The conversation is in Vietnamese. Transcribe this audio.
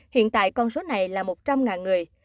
hiện tại con số này là một trăm linh người